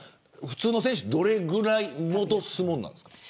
普通の選手どれぐらい戻すものなんですか。